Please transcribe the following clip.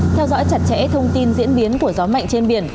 theo dõi chặt chẽ thông tin diễn biến của gió mạnh trên biển